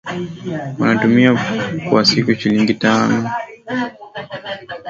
wanatumia kwa siku shilingi mia tano